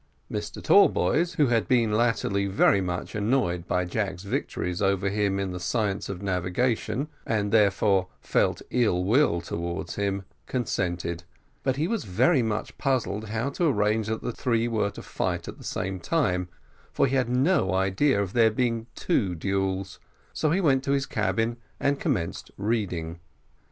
Mr Tallboys, who had been latterly very much annoyed by Jack's victories over him in the science of navigation, and therefore felt ill will towards him, consented; but he was very much puzzled how to arrange that three were to fight at the same time, for he had no idea of there being two duels; so he went to his cabin and commenced reading.